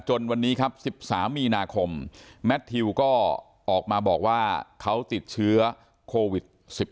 วันนี้ครับ๑๓มีนาคมแมททิวก็ออกมาบอกว่าเขาติดเชื้อโควิด๑๙